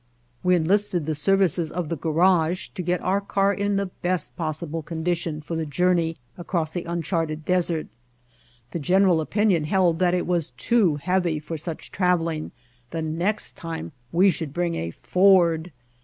We enlisted the services of the garage to get our car in the best possible condition for the journey across the uncharted desert. The gen eral opinion held that it was too heavy for such traveling; the next time we should bring a Ford.